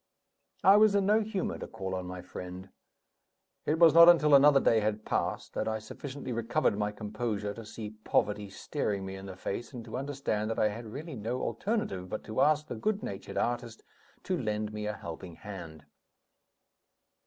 I was in no humor to call on my friend. It was not until another day had passed that I sufficiently recovered my composure to see poverty staring me in the face, and to understand that I had really no alternative but to ask the good natured artist to lend me a helping hand.